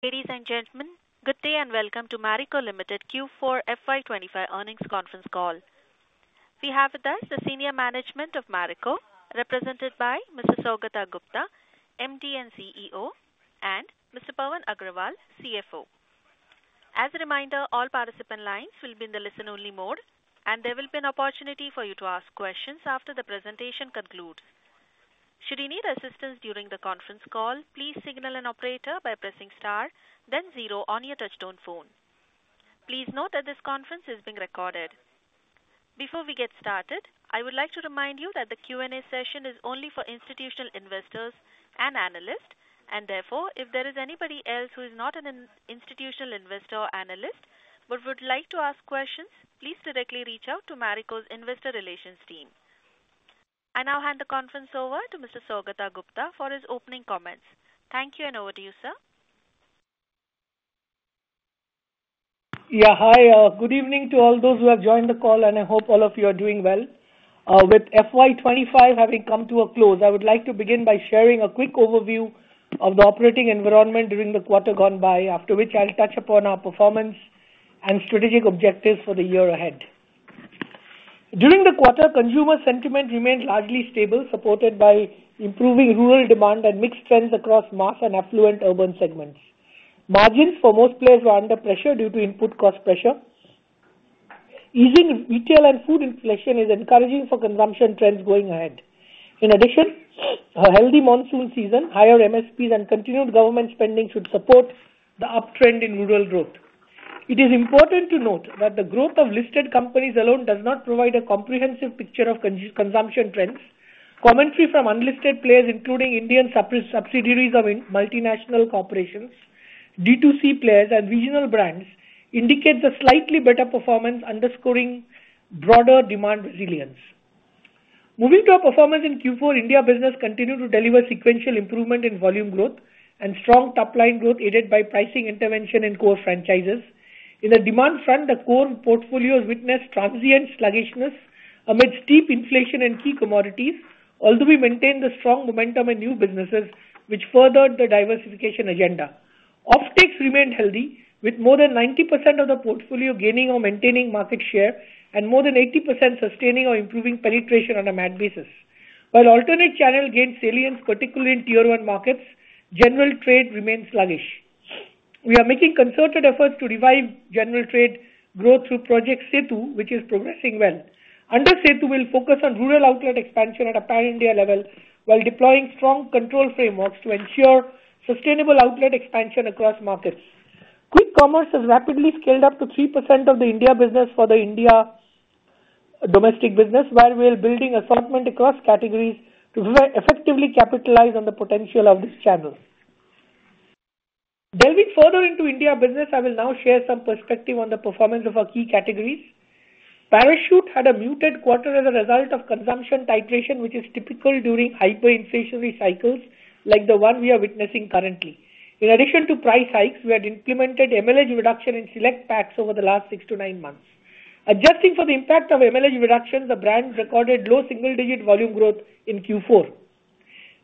Ladies and gentlemen, good day and welcome to Marico Limited Q4 FY25 earnings conference call. We have with us the senior management of Marico, represented by Mr. Saugata Gupta, MD and CEO, and Mr. Pawan Agrawal, CFO. As a reminder, all participant lines will be in the listen-only mode, and there will be an opportunity for you to ask questions after the presentation concludes. Should you need assistance during the conference call, please signal an operator by pressing star, then zero on your touchstone phone. Please note that this conference is being recorded. Before we get started, I would like to remind you that the Q&A session is only for institutional investors and analysts, and therefore, if there is anybody else who is not an institutional investor or analyst but would like to ask questions, please directly reach out to Marico's investor relations team. I now hand the conference over to Mr. Saugata Gupta for his opening comments. Thank you, and over to you, sir. Yeah, hi. Good evening to all those who have joined the call, and I hope all of you are doing well. With FY25 having come to a close, I would like to begin by sharing a quick overview of the operating environment during the quarter gone by, after which I'll touch upon our performance and strategic objectives for the year ahead. During the quarter, consumer sentiment remained largely stable, supported by improving rural demand and mixed trends across mass and affluent urban segments. Margins for most players were under pressure due to input cost pressure. Easing retail and food inflation is encouraging for consumption trends going ahead. In addition, a healthy monsoon season, higher MSPs, and continued government spending should support the uptrend in rural growth. It is important to note that the growth of listed companies alone does not provide a comprehensive picture of consumption trends. Commentary from unlisted players, including Indian subsidiaries of multinational corporations, D2C players, and regional brands, indicates a slightly better performance, underscoring broader demand resilience. Moving to our performance in Q4, India business continued to deliver sequential improvement in volume growth and strong top-line growth aided by pricing intervention in core franchises. On the demand front, the core portfolio witnessed transient sluggishness amidst steep inflation in key commodities, although we maintained the strong momentum in new businesses, which furthered the diversification agenda. Off-takes remained healthy, with more than 90% of the portfolio gaining or maintaining market share and more than 80% sustaining or improving penetration on a matte basis. While alternate channels gained salience, particularly in tier-one markets, general trade remained sluggish. We are making concerted efforts to revive general trade growth through Project Sethu, which is progressing well. Under Project Sethu, we'll focus on rural outlet expansion at a pan-India level while deploying strong control frameworks to ensure sustainable outlet expansion across markets. Quick commerce has rapidly scaled up to 3% of the India business for the India domestic business, while we are building assortment across categories to effectively capitalize on the potential of this channel. Delving further into India business, I will now share some perspective on the performance of our key categories. Parachute had a muted quarter as a result of consumption titration, which is typical during hyperinflationary cycles like the one we are witnessing currently. In addition to price hikes, we had implemented MLH reduction in select packs over the last six to nine months. Adjusting for the impact of MLH reductions, the brand recorded low single-digit volume growth in Q4.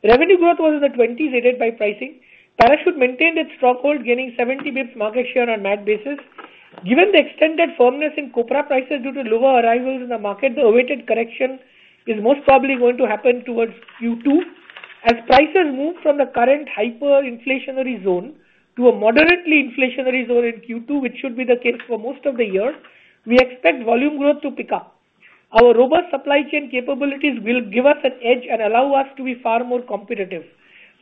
Revenue growth was in the 20s aided by pricing. Parachute maintained its strong hold, gaining 70 basis points market share on a matte basis. Given the extended firmness in copra prices due to lower arrivals in the market, the awaited correction is most probably going to happen towards Q2. As prices move from the current hyperinflationary zone to a moderately inflationary zone in Q2, which should be the case for most of the year, we expect volume growth to pick up. Our robust supply chain capabilities will give us an edge and allow us to be far more competitive.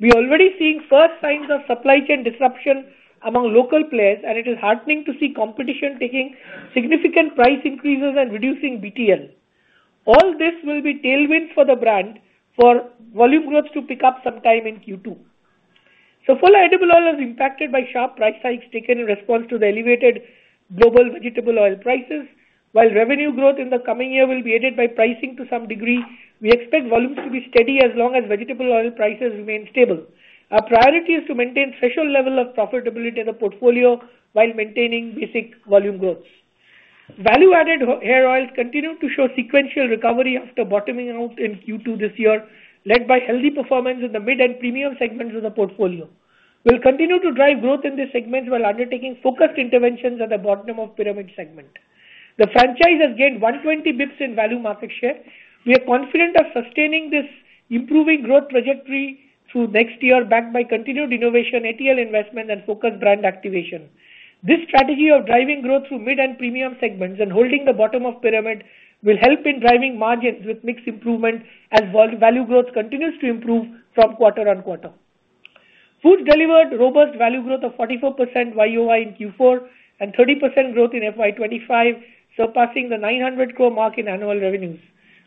We are already seeing first signs of supply chain disruption among local players, and it is heartening to see competition taking significant price increases and reducing BTL. All this will be tailwinds for the brand for volume growth to pick up sometime in Q2. Saffola Edible Oil was impacted by sharp price hikes taken in response to the elevated global vegetable oil prices. While revenue growth in the coming year will be aided by pricing to some degree, we expect volumes to be steady as long as vegetable oil prices remain stable. Our priority is to maintain a threshold level of profitability in the portfolio while maintaining basic volume growth. Value-Added Hair Oils continue to show sequential recovery after bottoming out in Q2 this year, led by healthy performance in the mid and premium segments of the portfolio. We will continue to drive growth in these segments while undertaking focused interventions at the bottom of the pyramid segment. The franchise has gained 120 basis points in value market share. We are confident of sustaining this improving growth trajectory through next year backed by continued innovation, ATL investment, and focused brand activation. This strategy of driving growth through mid and premium segments and holding the bottom of the pyramid will help in driving margins with mixed improvement as value growth continues to improve from quarter on quarter. Foods delivered robust value growth of 44% YOI in Q4 and 30% growth in FY25, surpassing the 900 crore mark in annual revenues.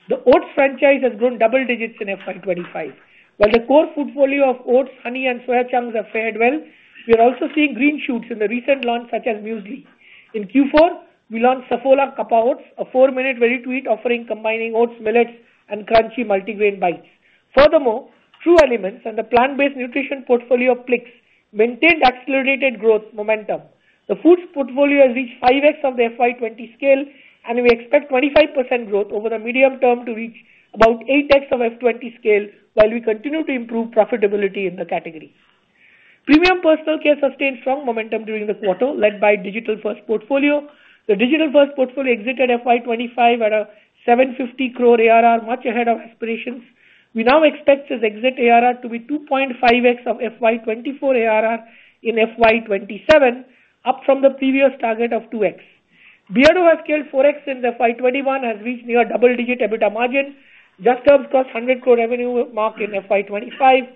The oats franchise has grown double digits in FY25. While the core portfolio of oats, honey, and soya chunks has fared well, we are also seeing green shoots in the recent launch such as muesli. In Q4, we launched Saffola Kappa Oats, a four-minute very sweet offering combining oats, millets, and crunchy multigrain bites. Furthermore, True Elements and the plant-based nutrition portfolio of PLIX maintained accelerated growth momentum. The foods portfolio has reached 5X of the FY20 scale, and we expect 25% growth over the medium term to reach about 8X of the FY20 scale while we continue to improve profitability in the category. Premium personal care sustained strong momentum during the quarter led by Digital First portfolio. The Digital First portfolio exited FY25 at an 750 crore ARR, much ahead of aspirations. We now expect its exit ARR to be 2.5X of FY24 ARR in FY27, up from the previous target of 2X. Beardo has scaled 4X since FY21 and has reached near double digit EBITDA margin. Just above the 100 crore revenue mark in FY25,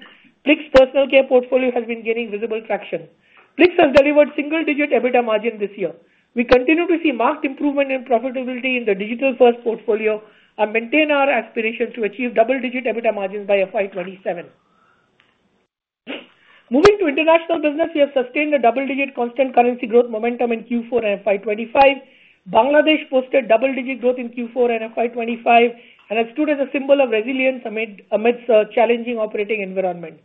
PLIX personal care portfolio has been gaining visible traction. PLIX has delivered single-digit EBITDA margin this year. We continue to see marked improvement in profitability in the Digital First portfolio and maintain our aspiration to achieve double-digit EBITDA margins by FY27. Moving to international business, we have sustained a double-digit constant currency growth momentum in Q4 and FY25. Bangladesh posted double-digit growth in Q4 and FY25 and has stood as a symbol of resilience amidst a challenging operating environment.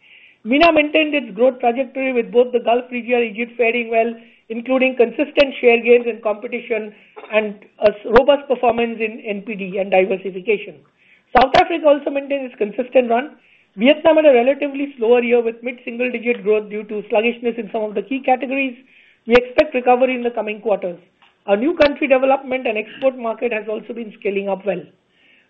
MENA maintained its growth trajectory with both the Gulf region and Egypt faring well, including consistent share gains in competition and robust performance in NPD and diversification. South Africa also maintained its consistent run. Vietnam had a relatively slower year with mid-single-digit growth due to sluggishness in some of the key categories. We expect recovery in the coming quarters. Our new country development and export market has also been scaling up well.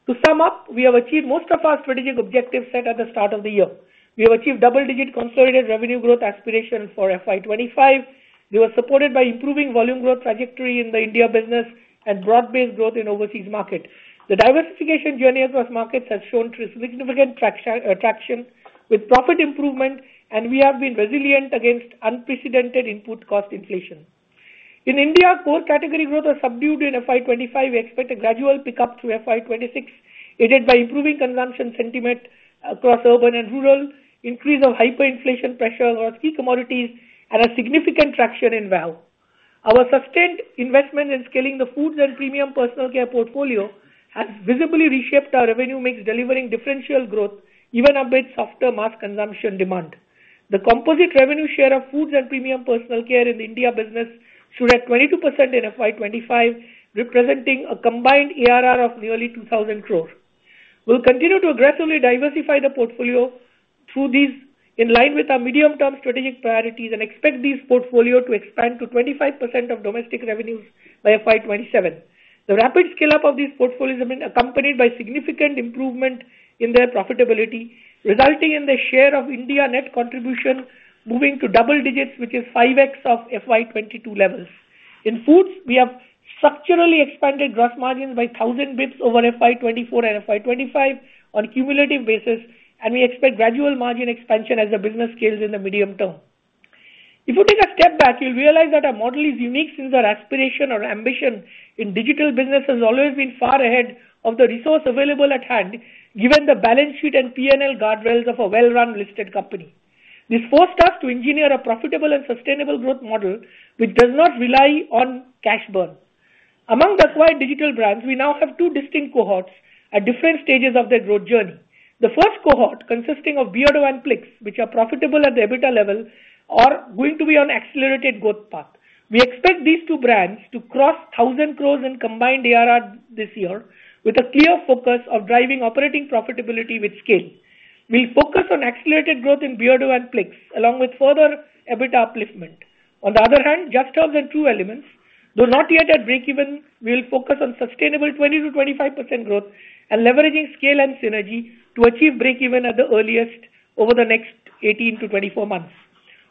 To sum up, we have achieved most of our strategic objectives set at the start of the year. We have achieved double-digit consolidated revenue growth aspiration for FY25. We were supported by improving volume growth trajectory in the India business and broad-based growth in overseas market. The diversification journey across markets has shown significant traction with profit improvement, and we have been resilient against unprecedented input cost inflation. In India, core category growth was subdued in FY25. We expect a gradual pickup through FY26 aided by improving consumption sentiment across urban and rural, increase of hyperinflation pressure across key commodities, and a significant traction in value. Our sustained investment in scaling the foods and premium personal care portfolio has visibly reshaped our revenue mix, delivering differential growth even amidst softer mass consumption demand. The composite revenue share of foods and premium personal care in the India business stood at 22% in FY25, representing a combined ARR of nearly 2,000 crore. We'll continue to aggressively diversify the portfolio through these in line with our medium-term strategic priorities and expect these portfolios to expand to 25% of domestic revenues by FY27. The rapid scale-up of these portfolios has been accompanied by significant improvement in their profitability, resulting in the share of India net contribution moving to double digits, which is 5X of FY22 levels. In foods, we have structurally expanded gross margins by 1,000 basis points over FY24 and FY25 on a cumulative basis, and we expect gradual margin expansion as the business scales in the medium term. If we take a step back, you'll realize that our model is unique since our aspiration or ambition in digital business has always been far ahead of the resource available at hand, given the balance sheet and P&L guardrails of a well-run listed company. This forced us to engineer a profitable and sustainable growth model which does not rely on cash burn. Among the acquired digital brands, we now have two distinct cohorts at different stages of their growth journey. The first cohort, consisting of Beardo and PLIX, which are profitable at the EBITDA level or going to be on an accelerated growth path. We expect these two brands to cross 1,000 crore in combined ARR this year with a clear focus on driving operating profitability with scale. We'll focus on accelerated growth in Beardo and PLIX along with further EBITDA upliftment. On the other hand, JustHerbs and True Elements, though not yet at break-even, we'll focus on sustainable 20%-25% growth and leveraging scale and synergy to achieve break-even at the earliest over the next 18-24 months.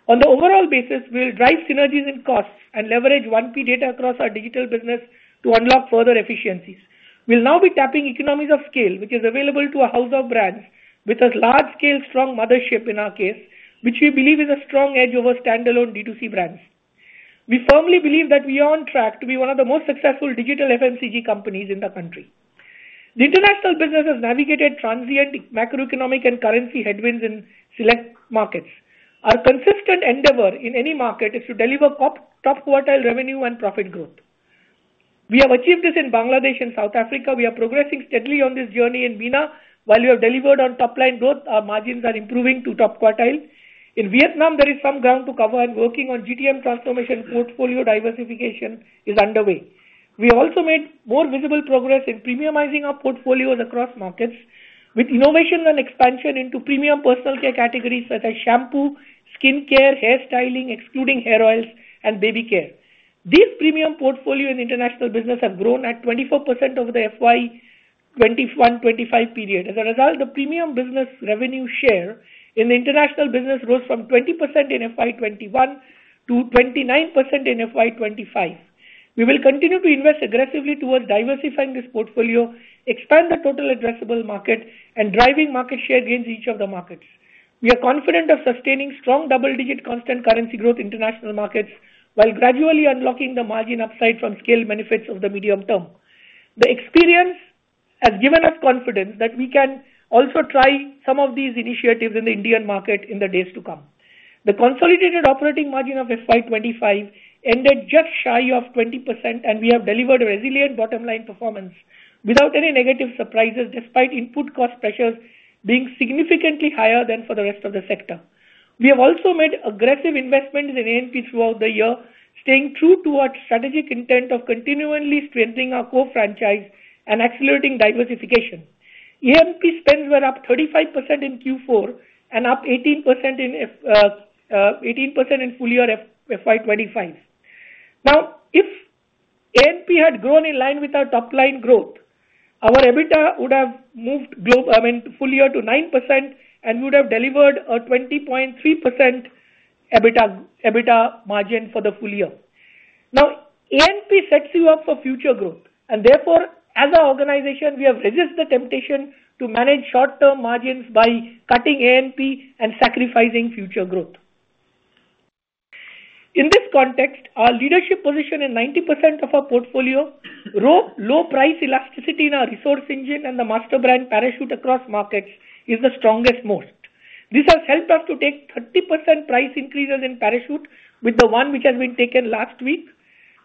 On the overall basis, we'll drive synergies in costs and leverage 1P data across our digital business to unlock further efficiencies. We'll now be tapping economies of scale, which is available to a house of brands with a large-scale, strong mothership in our case, which we believe is a strong edge over standalone D2C brands. We firmly believe that we are on track to be one of the most successful digital FMCG companies in the country. The international business has navigated transient macroeconomic and currency headwinds in select markets. Our consistent endeavor in any market is to deliver top quartile revenue and profit growth. We have achieved this in Bangladesh and South Africa. We are progressing steadily on this journey in MENA. While we have delivered on top-line growth, our margins are improving to top quartile. In Vietnam, there is some ground to cover, and working on GTM transformation portfolio diversification is underway. We have also made more visible progress in premiumizing our portfolios across markets with innovation and expansion into premium personal care categories such as shampoo, skincare, hair styling, excluding hair oils, and baby care. These premium portfolios in international business have grown at 24% over the FY21-25 period. As a result, the premium business revenue share in the international business rose from 20% in FY21 to 29% in FY25. We will continue to invest aggressively towards diversifying this portfolio, expand the total addressable market, and driving market share gains in each of the markets. We are confident of sustaining strong double-digit constant currency growth in international markets while gradually unlocking the margin upside from scale benefits of the medium term. The experience has given us confidence that we can also try some of these initiatives in the Indian market in the days to come. The consolidated operating margin of FY25 ended just shy of 20%, and we have delivered a resilient bottom-line performance without any negative surprises despite input cost pressures being significantly higher than for the rest of the sector. We have also made aggressive investments in ANP throughout the year, staying true to our strategic intent of continually strengthening our core franchise and accelerating diversification. ANP spends were up 35% in Q4 and up 18% in full year FY25. Now, if ANP had grown in line with our top-line growth, our EBITDA would have moved full year to 9% and would have delivered a 20.3% EBITDA margin for the full year. Now, ANP sets you up for future growth, and therefore, as an organization, we have resisted the temptation to manage short-term margins by cutting ANP and sacrificing future growth. In this context, our leadership position in 90% of our portfolio, low price elasticity in our resource engine, and the master brand Parachute across markets is the strongest moat. This has helped us to take 30% price increases in Parachute with the one which has been taken last week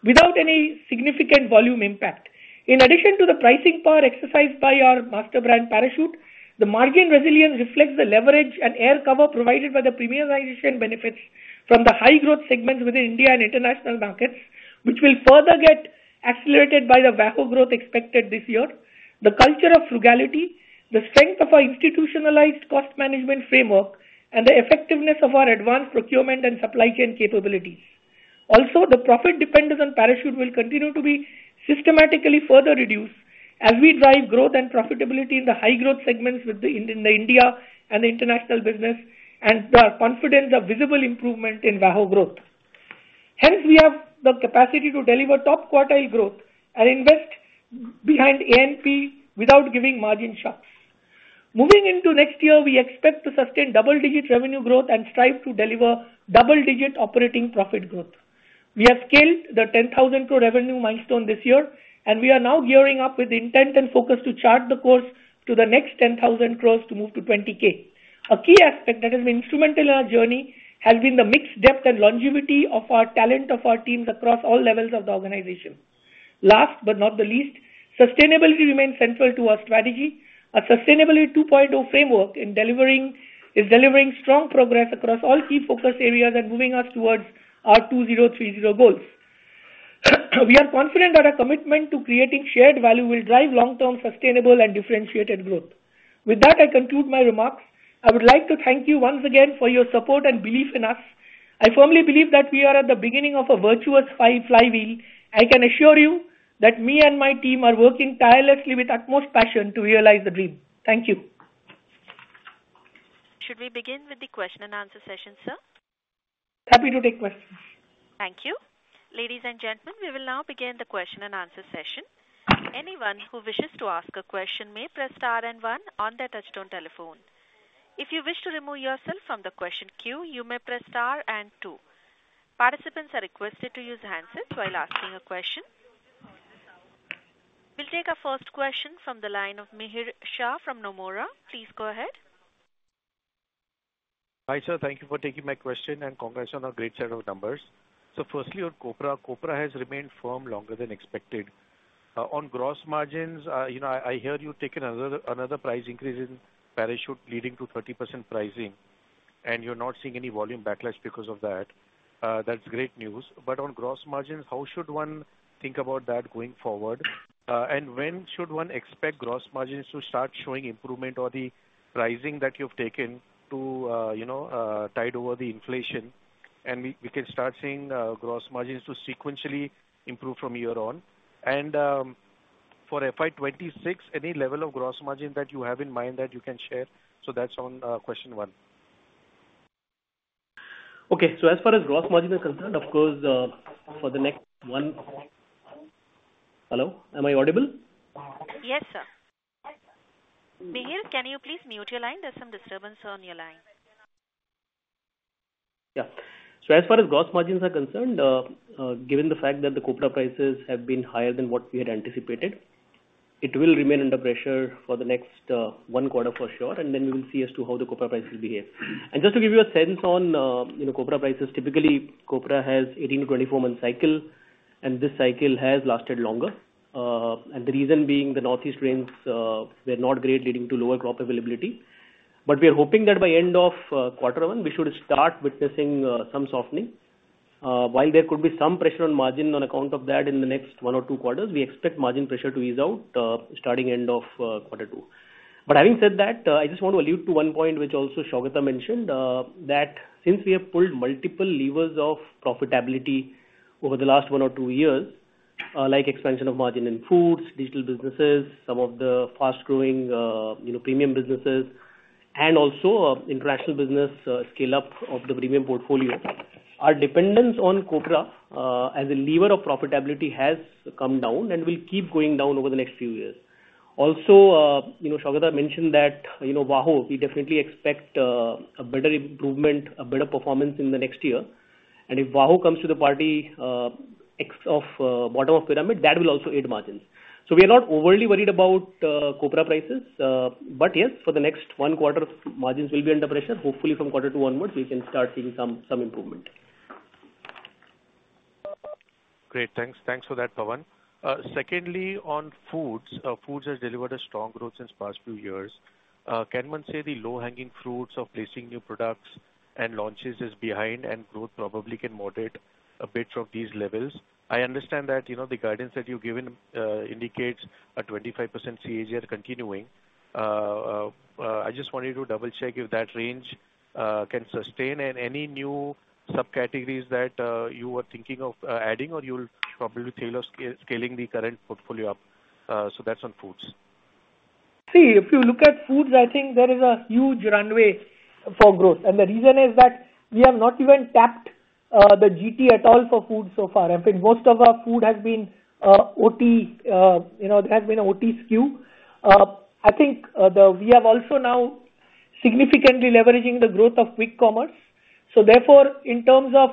without any significant volume impact. In addition to the pricing power exercised by our master brand Parachute, the margin resilience reflects the leverage and air cover provided by the premiumization benefits from the high-growth segments within India and international markets, which will further get accelerated by the WAHO growth expected this year, the culture of frugality, the strength of our institutionalized cost management framework, and the effectiveness of our advanced procurement and supply chain capabilities. Also, the profit dependence on Parachute will continue to be systematically further reduced as we drive growth and profitability in the high-growth segments within the India and the international business and the confidence of visible improvement in WAHO growth. Hence, we have the capacity to deliver top quartile growth and invest behind ANP without giving margin shocks. Moving into next year, we expect to sustain double-digit revenue growth and strive to deliver double-digit operating profit growth. We have scaled the 10,000 crore revenue milestone this year, and we are now gearing up with intent and focus to chart the course to the next 10,000 crore to move to 20,000 crore. A key aspect that has been instrumental in our journey has been the mixed depth and longevity of our talent of our teams across all levels of the organization. Last but not the least, sustainability remains central to our strategy. A sustainability 2.0 framework is delivering strong progress across all key focus areas and moving us towards our 2030 goals. We are confident that our commitment to creating shared value will drive long-term sustainable and differentiated growth. With that, I conclude my remarks. I would like to thank you once again for your support and belief in us. I firmly believe that we are at the beginning of a virtuous flywheel. I can assure you that me and my team are working tirelessly with utmost passion to realize the dream. Thank you. Should we begin with the question and answer session, sir? Happy to take questions. Thank you. Ladies and gentlemen, we will now begin the question and answer session. Anyone who wishes to ask a question may press star and one on their touchstone telephone. If you wish to remove yourself from the question queue, you may press star and two. Participants are requested to use handsets while asking a question. We'll take our first question from the line of Mihir Shah from Nomura. Please go ahead. Hi, sir. Thank you for taking my question, and congrats on a great set of numbers. Firstly, on copra, copra has remained firm longer than expected. On gross margins, I hear you take another price increase in Parachute leading to 30% pricing, and you're not seeing any volume backlash because of that. That's great news. On gross margins, how should one think about that going forward? When should one expect gross margins to start showing improvement or the rising that you've taken to tide over the inflation? We can start seeing gross margins sequentially improve from here on. For FY26, any level of gross margin that you have in mind that you can share? That's on question one. Okay. As far as gross margins are concerned, of course, for the next one, hello? Am I audible? Yes, sir. Mihir, can you please mute your line? There is some disturbance on your line. Yeah. As far as gross margins are concerned, given the fact that the copra prices have been higher than what we had anticipated, it will remain under pressure for the next one quarter for sure, and then we will see as to how the copra prices behave. Just to give you a sense on copra prices, typically, copra has an 18-24 month cycle, and this cycle has lasted longer. The reason being the northeast rains were not great, leading to lower crop availability. We are hoping that by the end of quarter one, we should start witnessing some softening. While there could be some pressure on margin on account of that in the next one or two quarters, we expect margin pressure to ease out starting the end of quarter two. Having said that, I just want to allude to one point which also Saugata mentioned, that since we have pulled multiple levers of profitability over the last one or two years, like expansion of margin in foods, digital businesses, some of the fast-growing premium businesses, and also international business scale-up of the premium portfolio, our dependence on copra as a lever of profitability has come down and will keep going down over the next few years. Also, Saugata mentioned that WAHO, we definitely expect a better improvement, a better performance in the next year. If WAHO comes to the party of bottom of pyramid, that will also aid margins. We are not overly worried about copra prices. Yes, for the next one quarter, margins will be under pressure. Hopefully, from quarter two onwards, we can start seeing some improvement. Great. Thanks for that, Pawan. Secondly, on foods, foods have delivered a strong growth since the past few years. Can one say the low-hanging fruits of placing new products and launches is behind, and growth probably can moderate a bit from these levels? I understand that the guidance that you've given indicates a 25% CAGR continuing. I just wanted to double-check if that range can sustain any new subcategories that you were thinking of adding, or you'll probably be scaling the current portfolio up. That is on foods. See, if you look at foods, I think there is a huge runway for growth. The reason is that we have not even tapped the GT at all for food so far. I mean, most of our food has been OT; there has been an OT skew. I think we have also now significantly leveraged the growth of big commerce. Therefore, in terms of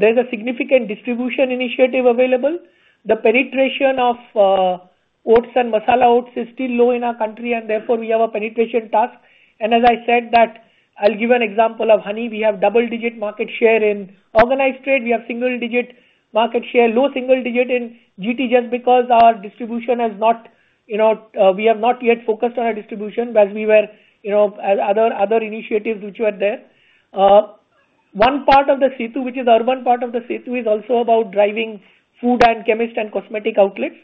there's a significant distribution initiative available, the penetration of oats and masala oats is still low in our country, and therefore, we have a penetration task. As I said, I'll give an example of honey. We have double-digit market share in organized trade. We have single-digit market share, low single-digit in GT just because our distribution has not, we have not yet focused on our distribution as we were other initiatives which were there. One part of the Sethu, which is the urban part of the Sethu, is also about driving food and chemist and cosmetic outlets.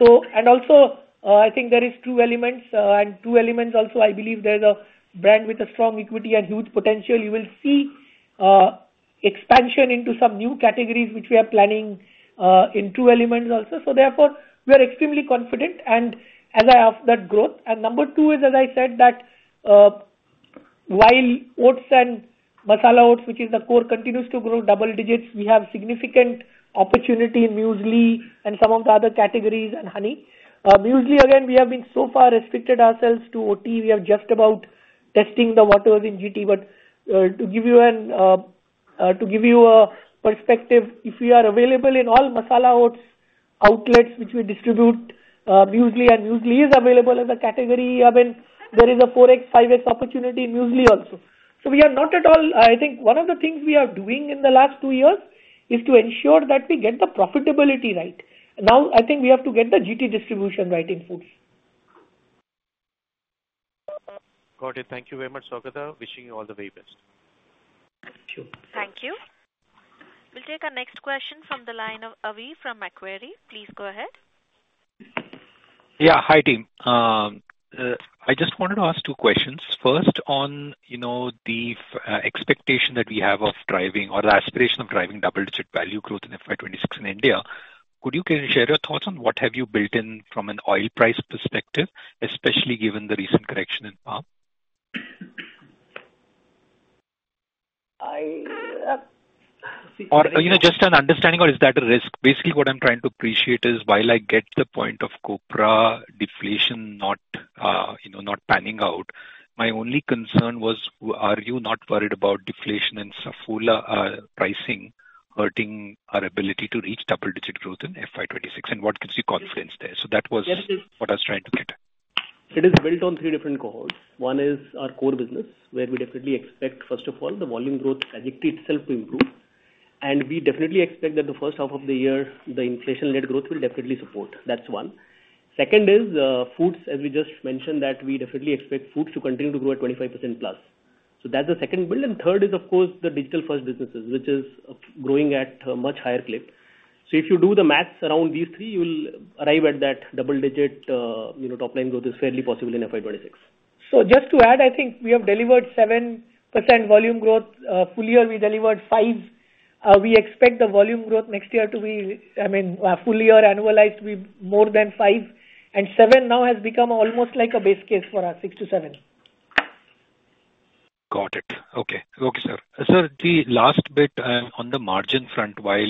I think there are two elements, and True Elements also, I believe there is a brand with strong equity and huge potential. You will see expansion into some new categories which we are planning in True Elements also. Therefore, we are extremely confident, and as I asked that growth. Number two is, as I said, that while oats and Masala Oats, which is the core, continues to grow double digits, we have significant opportunity in muesli and some of the other categories and honey. Muesli, again, we have been so far restricted ourselves to OT. We are just about testing the waters in GT. To give you a perspective, if we are available in all masala oats outlets which we distribute, muesli and muesli is available as a category. I mean, there is a 4x-5x opportunity in muesli also. We are not at all, I think one of the things we are doing in the last two years is to ensure that we get the profitability right. Now, I think we have to get the GT distribution right in foods. Got it. Thank you very much, Saugata. Wishing you all the very best. Thank you. We'll take our next question from the line of Avi from Macquarie. Please go ahead. Yeah. Hi, team. I just wanted to ask two questions. First, on the expectation that we have of driving or the aspiration of driving double-digit value growth in FY26 in India, could you share your thoughts on what have you built in from an oil price perspective, especially given the recent correction in Pawan? Just an understanding, or is that a risk? Basically, what I'm trying to appreciate is while I get the point of copra deflation not panning out, my only concern was, are you not worried about deflation and Saffola pricing hurting our ability to reach double-digit growth in FY26? What gives you confidence there? That was what I was trying to get. It is built on three different cohorts. One is our core business, where we definitely expect, first of all, the volume growth trajectory itself to improve. We definitely expect that the first half of the year, the inflation-led growth will definitely support. That's one. Second is foods. As we just mentioned, we definitely expect foods to continue to grow at 25% plus. That's the second build. Third is, of course, the digital-first businesses, which is growing at a much higher clip. If you do the maths around these three, you will arrive at that double-digit top-line growth is fairly possible in FY26. Just to add, I think we have delivered 7% volume growth. Full year, we delivered five. We expect the volume growth next year to be, I mean, full year annualized to be more than five. Seven now has become almost like a base case for us, six to seven. Got it. Okay. Okay, sir. Sir, the last bit on the margin front, while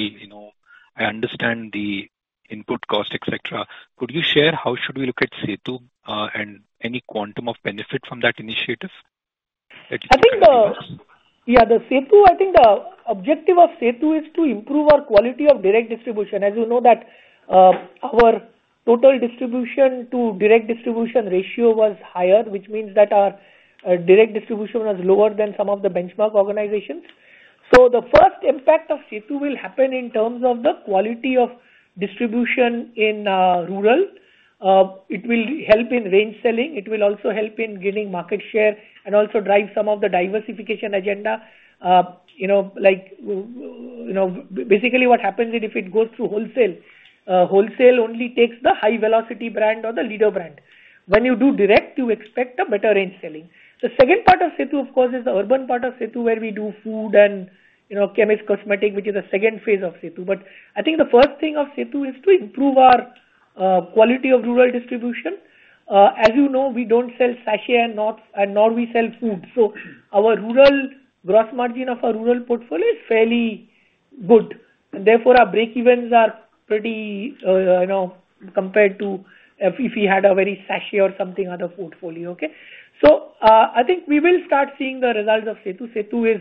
I understand the input cost, etc., could you share how should we look at Sethu and any quantum of benefit from that initiative? I think the, yeah, the Sethu, I think the objective of Sethu is to improve our quality of direct distribution. As you know, that our total distribution to direct distribution ratio was higher, which means that our direct distribution was lower than some of the benchmark organizations. The first impact of Sethu will happen in terms of the quality of distribution in rural. It will help in range selling. It will also help in getting market share and also drive some of the diversification agenda. Basically, what happens is if it goes through wholesale, wholesale only takes the high-velocity brand or the leader brand. When you do direct, you expect a better range selling. The second part of Sethu, of course, is the urban part of Sethu, where we do food and chemist cosmetic, which is the second phase of Sethu. I think the first thing of Sethu is to improve our quality of rural distribution. As you know, we do not sell sachet and nor do we sell food. Our rural gross margin of our rural portfolio is fairly good. Therefore, our breakevens are pretty compared to if we had a very sachet or something other portfolio. I think we will start seeing the results of Sethu. Sethu is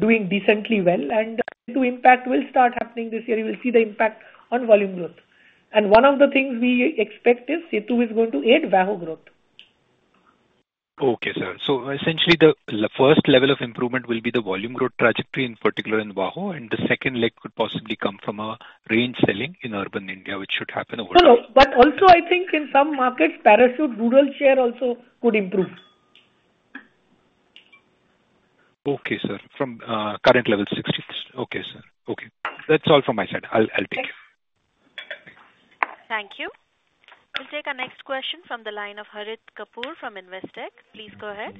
doing decently well, and Sethu impact will start happening this year. You will see the impact on volume growth. One of the things we expect is Sethu is going to aid WAHO growth. Okay, sir. Essentially, the first level of improvement will be the volume growth trajectory, in particular in WAHO, and the second leg could possibly come from our range selling in urban India, which should happen overall. Hello. Also, I think in some markets, Parachute rural share also could improve. Okay, sir. From current level, 60. Okay, sir. Okay. That's all from my side. I'll take it. Thank you. We'll take our next question from the line of Harith Kapoor from Investech. Please go ahead.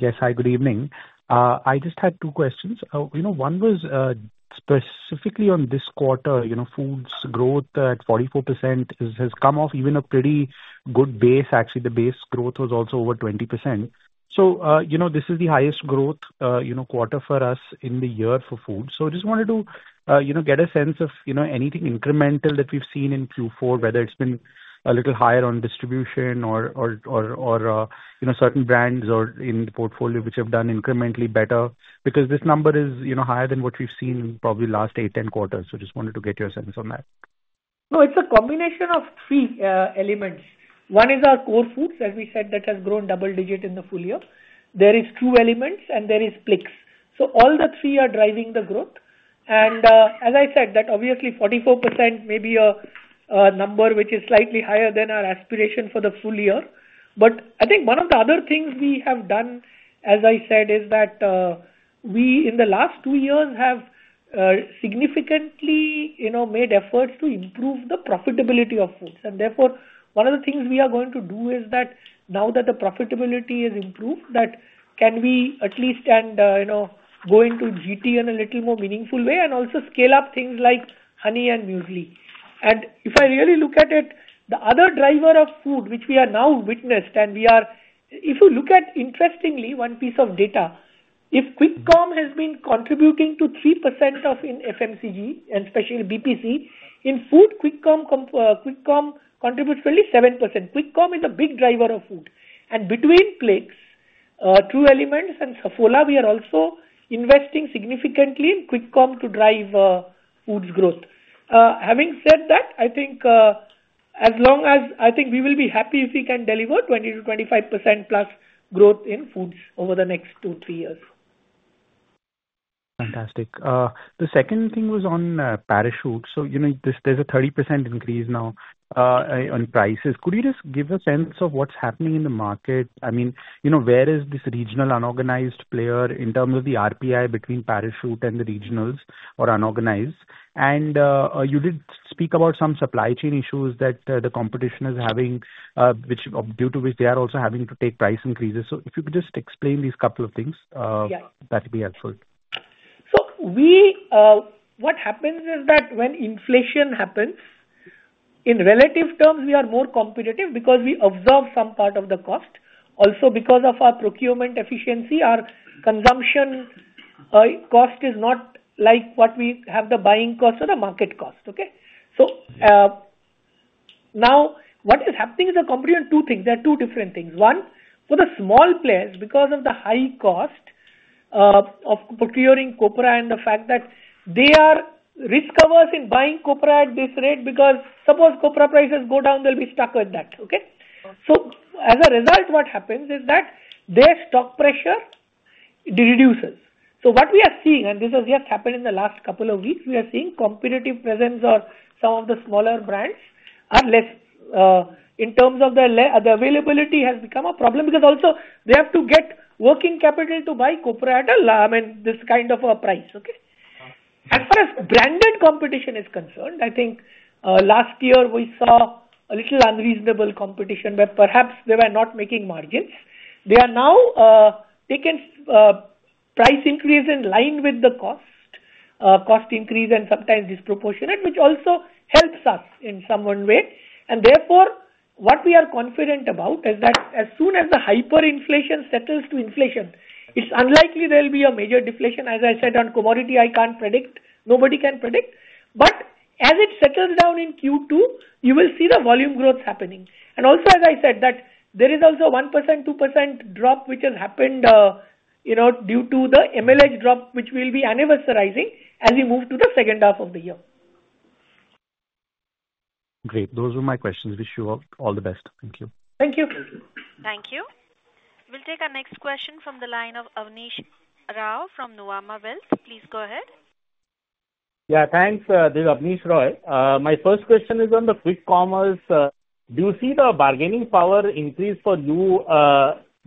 Yes. Hi, good evening. I just had two questions. One was specifically on this quarter, foods growth at 44% has come off even a pretty good base. Actually, the base growth was also over 20%. This is the highest growth quarter for us in the year for food. I just wanted to get a sense of anything incremental that we've seen in Q4, whether it's been a little higher on distribution or certain brands or in the portfolio which have done incrementally better, because this number is higher than what we've seen in probably the last eighteen quarters. I just wanted to get your sense on that. No, it's a combination of three elements. One is our core foods, as we said, that has grown double-digit in the full year. There are two elements, and there are Plix. All the three are driving the growth. As I said, obviously 44% may be a number which is slightly higher than our aspiration for the full year. I think one of the other things we have done, as I said, is that we in the last two years have significantly made efforts to improve the profitability of foods. Therefore, one of the things we are going to do is that now that the profitability has improved, can we at least go into GT in a little more meaningful way and also scale up things like honey and muesli? If I really look at it, the other driver of food which we have now witnessed, and if you look at interestingly, one piece of data, if Quick Commerce has been contributing to 3% of FMCG, and especially BPC in food, Quick Commerce contributes only 7%. Quick Commerce is a big driver of food. Between PLIX, True Elements, and Saffola, we are also investing significantly in Quick Commerce to drive foods growth. Having said that, I think as long as I think we will be happy if we can deliver 20-25% plus growth in foods over the next two, three years. Fantastic. The second thing was on Parachute. There is a 30% increase now in prices. Could you just give a sense of what is happening in the market? I mean, where is this regional unorganized player in terms of the RPI between Parachute and the regionals or unorganized? You did speak about some supply chain issues that the competition is having, due to which they are also having to take price increases. If you could just explain these couple of things, that would be helpful. What happens is that when inflation happens, in relative terms, we are more competitive because we absorb some part of the cost. Also, because of our procurement efficiency, our consumption cost is not like what we have, the buying cost or the market cost. Okay? Now, what is happening is a component of two things. There are two different things. One, for the small players, because of the high cost of procuring copra and the fact that they are risk averse in buying copra at this rate, because suppose copra prices go down, they will be stuck with that. Okay? As a result, what happens is that their stock pressure reduces. What we are seeing, and this has just happened in the last couple of weeks, we are seeing competitive presence of some of the smaller brands are less in terms of the availability has become a problem because also they have to get working capital to buy copra at a, I mean, this kind of a price. Okay? As far as branded competition is concerned, I think last year we saw a little unreasonable competition, but perhaps they were not making margins. They are now taking price increase in line with the cost, cost increase, and sometimes disproportionate, which also helps us in some one way. Therefore, what we are confident about is that as soon as the hyperinflation settles to inflation, it is unlikely there will be a major deflation. As I said, on commodity, I cannot predict. Nobody can predict. As it settles down in Q2, you will see the volume growth happening. Also, as I said, there is also a 1%-2% drop which has happened due to the MLH drop, which will be anniversarizing as we move to the second half of the year. Great. Those were my questions. Wish you all the best. Thank you. Thank you. Thank you. We'll take our next question from the line of Abhis Rao from Nuvama Wealth. Please go ahead. Yeah. Thanks, Abhishek Rao. My first question is on the quick commerce. Do you see the bargaining power increase for you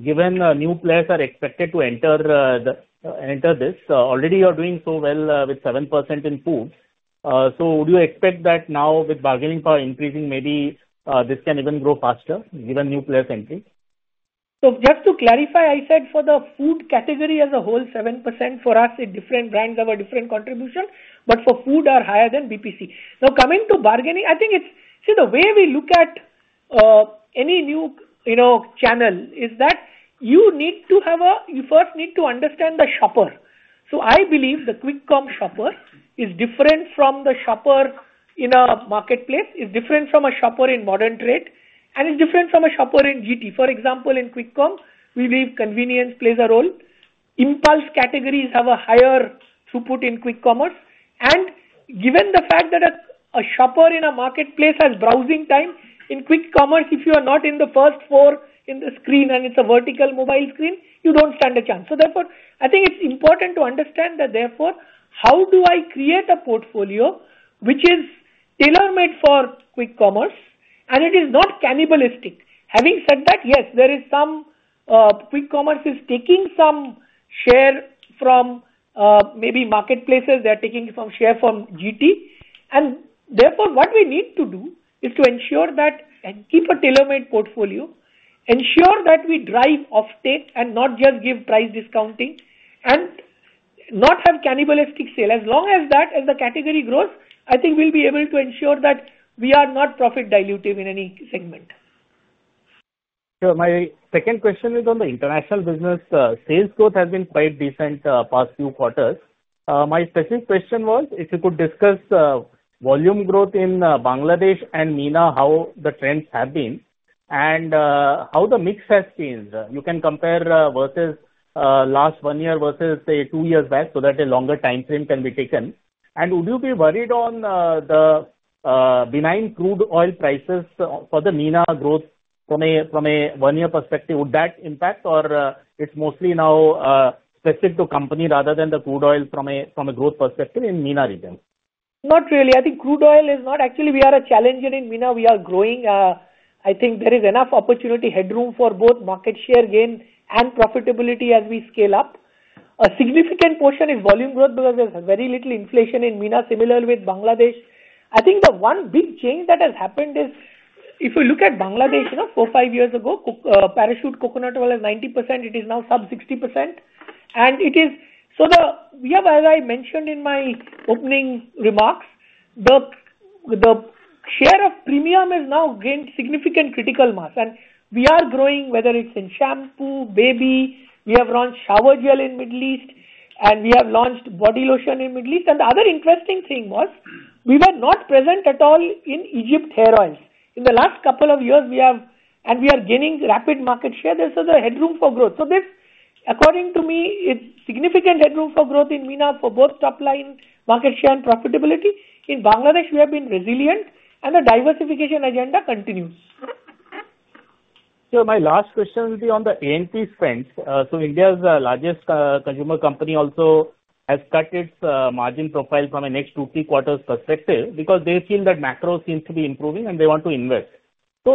given new players are expected to enter this? Already, you're doing so well with 7% in food. Do you expect that now with bargaining power increasing, maybe this can even grow faster given new players entry? Just to clarify, I said for the food category as a whole, 7% for us, different brands have a different contribution, but for food, are higher than BPC. Now, coming to bargaining, I think it's see, the way we look at any new channel is that you need to have a you first need to understand the shopper. I believe the QuickCom shopper is different from the shopper in a marketplace, is different from a shopper in modern trade, and is different from a shopper in GT. For example, in QuickCom, we believe convenience plays a role. Impulse categories have a higher throughput in quick commerce. Given the fact that a shopper in a marketplace has browsing time, in quick commerce, if you are not in the first four in the screen and it's a vertical mobile screen, you don't stand a chance. Therefore, I think it's important to understand that, therefore, how do I create a portfolio which is tailor-made for quick commerce, and it is not cannibalistic? Having said that, yes, there is some quick commerce is taking some share from maybe marketplaces. They are taking some share from GT. Therefore, what we need to do is to ensure that and keep a tailor-made portfolio, ensure that we drive offtake and not just give price discounting and not have cannibalistic sale. As long as that, as the category grows, I think we'll be able to ensure that we are not profit dilutive in any segment. Sure. My second question is on the international business. Sales growth has been quite decent past few quarters. My specific question was if you could discuss volume growth in Bangladesh and MENA, how the trends have been, and how the mix has changed. You can compare versus last one year versus say two years back so that a longer time frame can be taken. Would you be worried on the benign crude oil prices for the MENA growth from a one-year perspective? Would that impact, or it's mostly now specific to company rather than the crude oil from a growth perspective in MENA region? Not really. I think crude oil is not actually, we are a challenger in MENA. We are growing. I think there is enough opportunity headroom for both market share gain and profitability as we scale up. A significant portion is volume growth because there is very little inflation in MENA, similar with Bangladesh. I think the one big change that has happened is if you look at Bangladesh, four, five years ago, Parachute coconut oil was 90%. It is now sub 60%. It is, so we have, as I mentioned in my opening remarks, the share of premium has now gained significant critical mass. We are growing, whether it is in shampoo, baby. We have launched shower gel in Middle East, and we have launched body lotion in Middle East. The other interesting thing was we were not present at all in Egypt hair oils. In the last couple of years, we have and we are gaining rapid market share. There is other headroom for growth. This, according to me, is significant headroom for growth in MENA for both top-line market share and profitability. In Bangladesh, we have been resilient, and the diversification agenda continues. Sir, my last question will be on the ANP spend. India's largest consumer company also has cut its margin profile from a next two-three quarters perspective because they feel that macro seems to be improving, and they want to invest.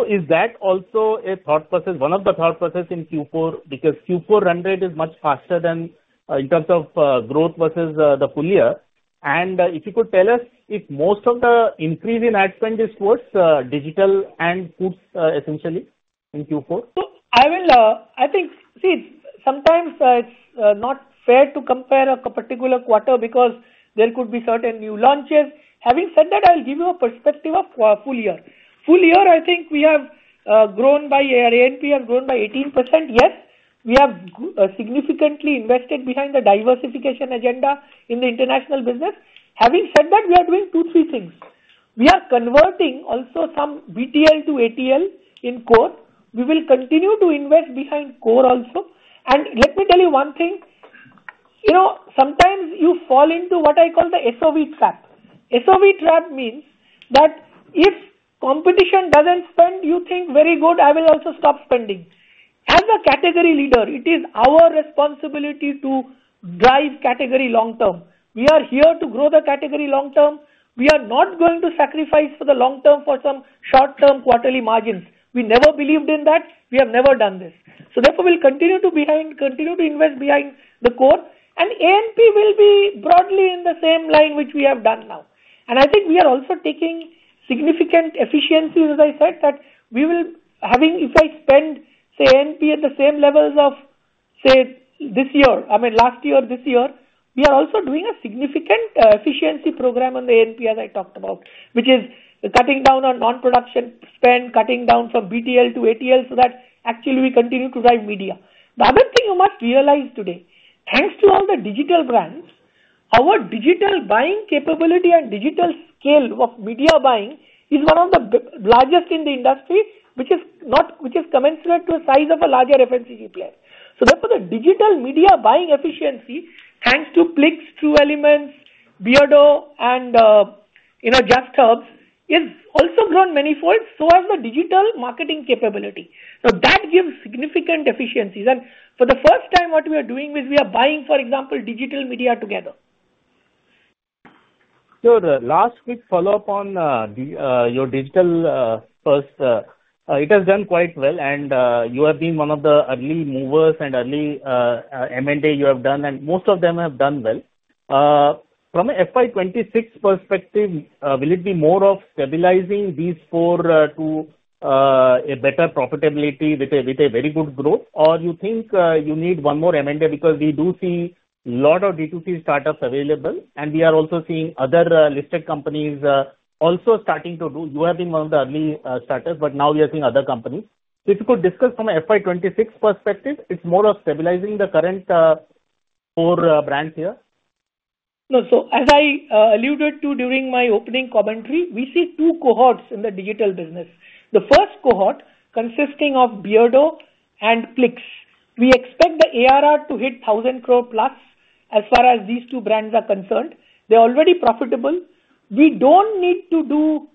Is that also a thought process, one of the thought process in Q4? Q4 run rate is much faster than in terms of growth versus the full year. If you could tell us if most of the increase in ad spend is towards digital and foods, essentially, in Q4? I think, see, sometimes it's not fair to compare a particular quarter because there could be certain new launches. Having said that, I'll give you a perspective of full year. Full year, I think we have grown by, our ANP have grown by 18%. Yes, we have significantly invested behind the diversification agenda in the international business. Having said that, we are doing two, three things. We are converting also some BTL to ATL in core. We will continue to invest behind core also. Let me tell you one thing. Sometimes you fall into what I call the SOV trap. SOV trap means that if competition doesn't spend, you think, "Very good, I will also stop spending." As a category leader, it is our responsibility to drive category long-term. We are here to grow the category long-term. We are not going to sacrifice for the long-term for some short-term quarterly margins. We never believed in that. We have never done this. Therefore, we will continue to invest behind the core. ANP will be broadly in the same line which we have done now. I think we are also taking significant efficiency, as I said, that we will have, if I spend, say, ANP at the same levels of, say, last year, this year, we are also doing a significant efficiency program on the ANP, as I talked about, which is cutting down on non-production spend, cutting down from BTL to ATL so that actually we continue to drive media. The other thing you must realize today, thanks to all the digital brands, our digital buying capability and digital scale of media buying is one of the largest in the industry, which is commensurate to the size of a larger FMCG player. Therefore, the digital media buying efficiency, thanks to PLIX, True Elements, Beardo, and JustHerbs, is also grown manyfold, so has the digital marketing capability. Now, that gives significant efficiencies. For the first time, what we are doing is we are buying, for example, digital media together. Sir, last quick follow-up on your digital first, it has done quite well, and you have been one of the early movers and early M&A you have done, and most of them have done well. From an FY26 perspective, will it be more of stabilizing these four to a better profitability with a very good growth, or you think you need one more M&A because we do see a lot of D2C startups available, and we are also seeing other listed companies also starting to do? You have been one of the early starters, but now we are seeing other companies. If you could discuss from an FY26 perspective, it's more of stabilizing the current four brands here? As I alluded to during my opening commentary, we see two cohorts in the digital business. The first cohort consisting of Beardo and Plix. We expect the ARR to hit 1,000 crore plus as far as these two brands are concerned. They're already profitable. We don't need to do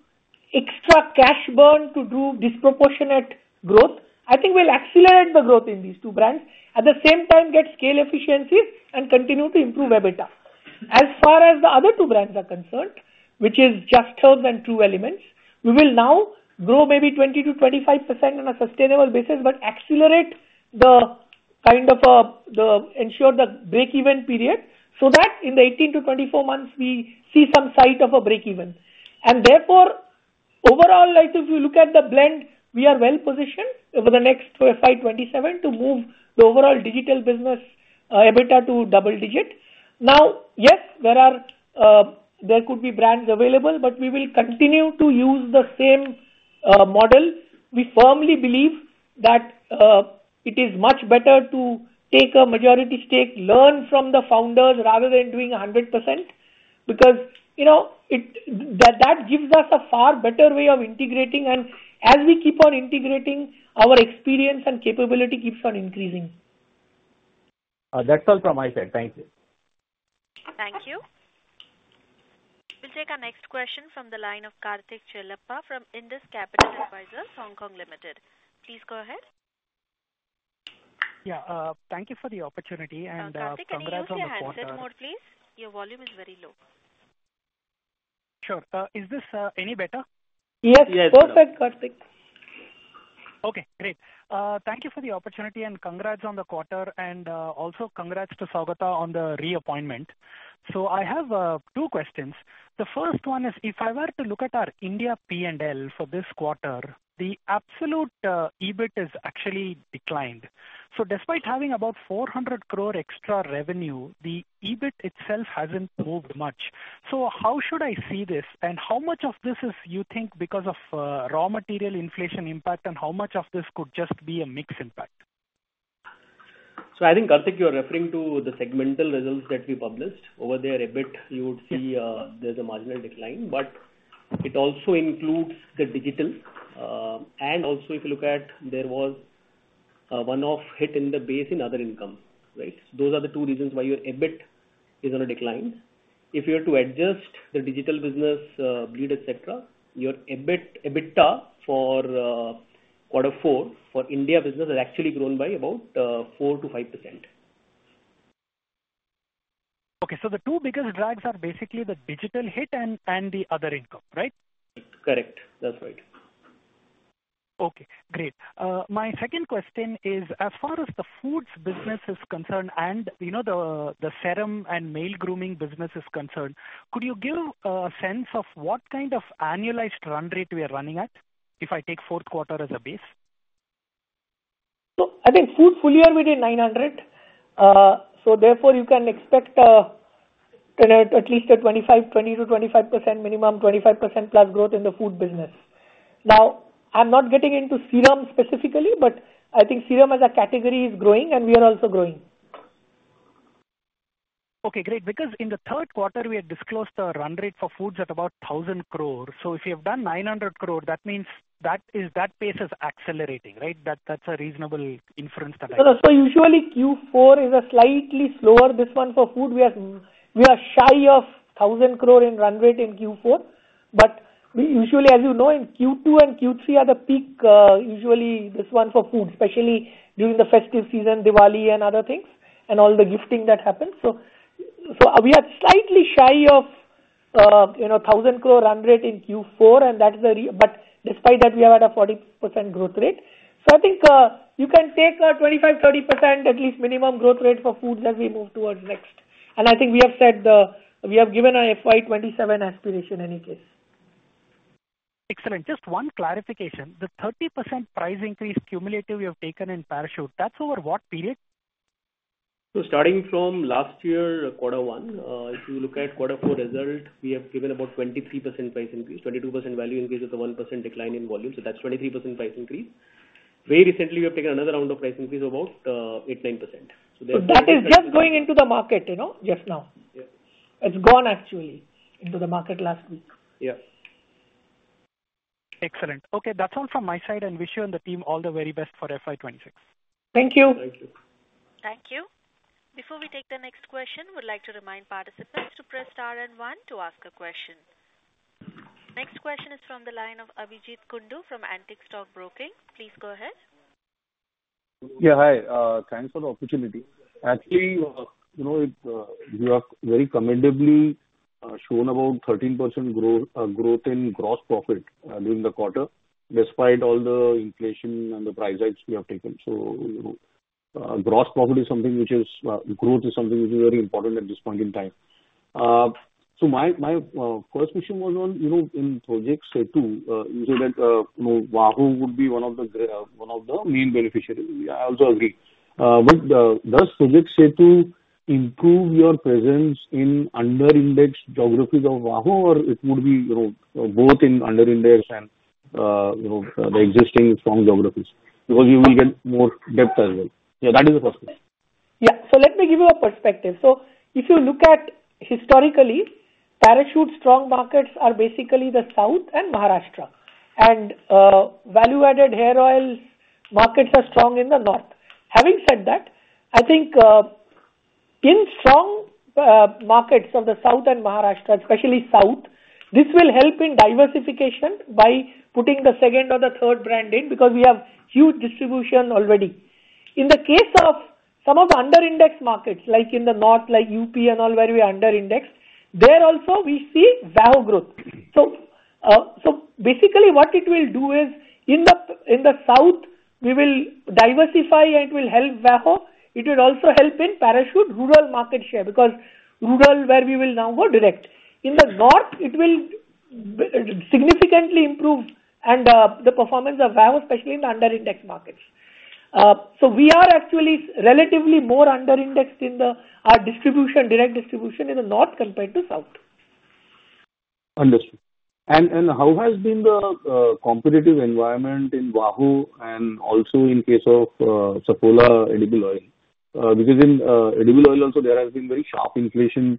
extra cash burn to do disproportionate growth. I think we'll accelerate the growth in these two brands, at the same time get scale efficiencies and continue to improve EBITDA. As far as the other two brands are concerned, which is Just Herbs and True Elements, we will now grow maybe 20-25% on a sustainable basis, but accelerate the kind of the ensure the break-even period so that in the 18-24 months, we see some sight of a break-even. Therefore, overall, if you look at the blend, we are well positioned over the next FY27 to move the overall digital business EBITDA to double-digit. Now, yes, there could be brands available, but we will continue to use the same model. We firmly believe that it is much better to take a majority stake, learn from the founders rather than doing 100% because that gives us a far better way of integrating. As we keep on integrating, our experience and capability keeps on increasing. That's all from my side. Thank you. Thank you. We'll take our next question from the line of Karthik Chellappa from Indus Capital Advisors Hong Kong Limited. Please go ahead. Yeah, thank you for the opportunity. Congrats on the quarter. Karthik, can you say a little more, please? Your volume is very low. Sure. Is this any better? Yes. Perfect, Karthik. Okay. Great. Thank you for the opportunity and congrats on the quarter. Also, congrats to Saugata on the reappointment. I have two questions. The first one is, if I were to look at our India P&L for this quarter, the absolute EBIT is actually declined. Despite having about 400 crore extra revenue, the EBIT itself has not moved much. How should I see this? How much of this is, you think, because of raw material inflation impact and how much of this could just be a mixed impact? I think, Karthik, you are referring to the segmental results that we published. Over there, EBIT, you would see there's a marginal decline, but it also includes the digital. Also, if you look at, there was one-off hit in the base in other income, right? Those are the two reasons why your EBIT is on a decline. If you were to adjust the digital business bleed, etc., your EBITDA for quarter four for India business has actually grown by about 4-5%. Okay. The two biggest drags are basically the digital hit and the other income, right? Correct. That's right. Okay. Great. My second question is, as far as the foods business is concerned and the serum and male grooming business is concerned, could you give a sense of what kind of annualized run rate we are running at if I take fourth quarter as a base? I think food full year we did 900 crore. Therefore, you can expect at least a 20-25%, minimum 25% plus growth in the food business. Now, I'm not getting into serum specifically, but I think serum as a category is growing, and we are also growing. Okay. Great. Because in the third quarter, we had disclosed the run rate for foods at about 1,000 crore. So if you have done 900 crore, that means that pace is accelerating, right? That's a reasonable inference that I have. Usually, Q4 is slightly slower. This one for food, we are shy of 1,000 crore in run rate in Q4. Usually, as you know, Q2 and Q3 are the peak, usually this one for food, especially during the festive season, Diwali and other things, and all the gifting that happens. We are slightly shy of 1,000 crore run rate in Q4, and that's the reason. Despite that, we are at a 40% growth rate. I think you can take a 25-30%, at least minimum growth rate for foods as we move towards next. I think we have said the we have given our FY2027 aspiration any case. Excellent. Just one clarification. The 30% price increase cumulative you have taken in Parachute, that's over what period? Starting from last year, quarter one, if you look at quarter four result, we have given about 23% price increase, 22% value increase with a 1% decline in volume. That is 23% price increase. Very recently, we have taken another round of price increase of about 8-9%. Therefore. That is just going into the market just now. It's gone actually into the market last week. Yeah. Excellent. Okay. That is all from my side. I wish you and the team all the very best for FY26. Thank you. Thank you. Thank you. Before we take the next question, we'd like to remind participants to press star and one to ask a question. Next question is from the line of Abhijeet Kundu from Antique Stock Broking. Please go ahead. Yeah. Hi. Thanks for the opportunity. Actually, you have very commendably shown about 13% growth in gross profit during the quarter, despite all the inflation and the price hikes we have taken. Gross profit is something which is growth is something which is very important at this point in time. My first question was on in Project Sethu, you said that WAHO would be one of the main beneficiaries. I also agree. Does Project Sethu improve your presence in under-indexed geographies of WAHO, or would it be both in under-indexed and the existing strong geographies? You will get more depth as well. That is the first question. Yeah. Let me give you a perspective. If you look at historically, Parachute strong markets are basically the south and Maharashtra. Value-Added Hair Oil markets are strong in the north. Having said that, I think in strong markets of the south and Maharashtra, especially south, this will help in diversification by putting the second or the third brand in because we have huge distribution already. In the case of some of the under-indexed markets, like in the north, like UP and all where we are under-indexed, there also we see WAHO growth. Basically, what it will do is in the south, we will diversify and it will help WAHO. It will also help in Parachute rural market share because rural where we will now go direct. In the north, it will significantly improve the performance of WAHO, especially in the under-indexed markets. We are actually relatively more under-indexed in our distribution, direct distribution in the north compared to south. Understood. How has the competitive environment been in WAHO and also in the case of Saffola Edible Oil? Because in edible oil, there has been very sharp inflation.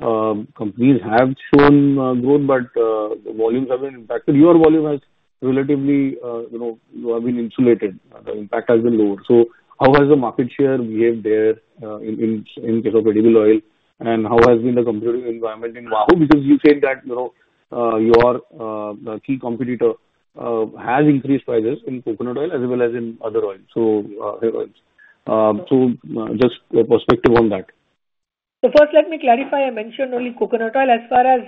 Companies have shown growth, but the volumes have been impacted. Your volume has, relatively, you have been insulated. The impact has been lower. How has the market share behaved there in the case of edible oil? How has the competitive environment been in WAHO? You said that your key competitor has increased prices in coconut oil as well as in other oils, so hair oils. Just a perspective on that. First, let me clarify. I mentioned only coconut oil. As far as